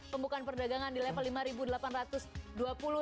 pembukaan perdagangan di level rp lima delapan ratus dua puluh